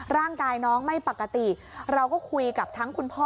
ร่างกายน้องไม่ปกติเราก็คุยกับทั้งคุณพ่อ